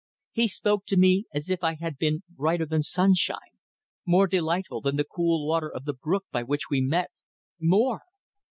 He spoke to me as if I had been brighter than the sunshine more delightful than the cool water of the brook by which we met more